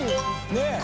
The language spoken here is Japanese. ねえ。